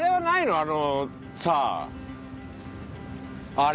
あのさあれ。